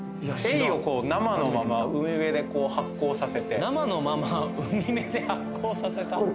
エイを生のまま海辺で発酵させて生のまま海辺で発酵させた？